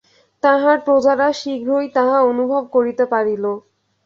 তাঁহার প্রজারা শীঘ্রই তাহা অনুভব করিতে পারিল।